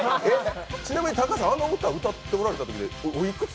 ちなみに高橋さん、あの歌歌っておられたとき、お幾つ？